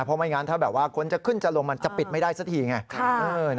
เพราะไม่งั้นถ้าแบบว่าคนจะขึ้นจะลงมันจะปิดไม่ได้สักทีไง